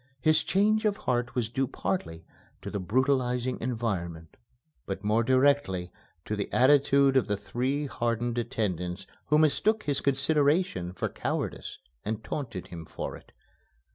His change of heart was due partly to the brutalizing environment, but more directly to the attitude of the three hardened attendants who mistook his consideration for cowardice and taunted him for it.